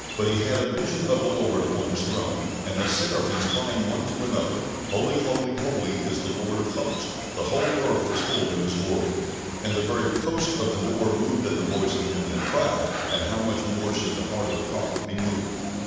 But he had a vision of the Lord upon His Throne, and the seraphims crying one to another: "Holy, holy, holy is the Lord of Hosts: the whole earth is full of His glory." And the very "posts of the door moved at the voice of him that cried"; and how much more should the heart of the prophet be moved!